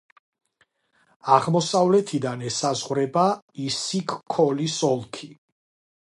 აღმოსავლეთიდან ესაზღვრება ისიქ-ქოლის ოლქი.